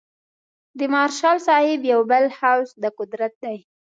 د مارشال صاحب یو بل هوس د قدرت دی.